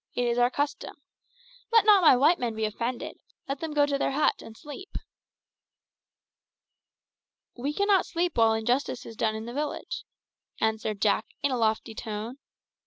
It is our custom. Let not my white men be offended. Let them go to their hut and sleep." "We cannot sleep while injustice is done in the village," answered Jack, in a lofty tone.